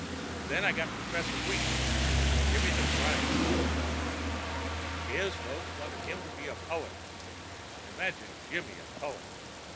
Then I got Professor Wheaton—'Jimmy the Grind' we used to call him—his folks wanted him to be a poet—imagine Jimmy a poet!